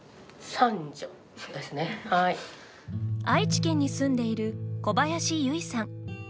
愛知県に住んでいる小林ゆいさん。